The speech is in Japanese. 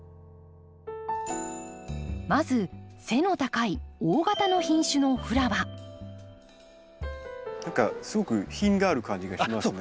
まず背の高い大型の品種の何かすごく品がある感じがしますね。